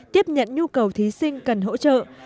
tiếp nhận nhu cầu thí sinh cần hỗ trợ thí sinh